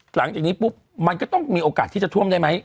หลังจากนี้ปุ๊บมันก็ต้องมีโอกาสที่จะท่วมได้ไหม